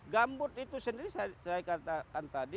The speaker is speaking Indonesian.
gambut itu sendiri saya katakan tadi